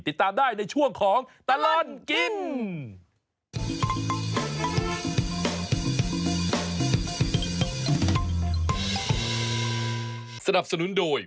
ติดตามได้ในช่วงของตลอดกิน